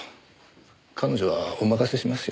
彼女はお任せしますよ。